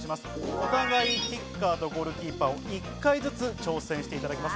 お互いキッカーとゴールキーパーを１回ずつ挑戦していただきます。